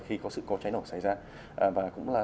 khi có sự có cháy nổ xảy ra